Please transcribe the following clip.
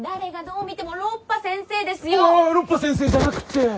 うわロッパ先生じゃなくって！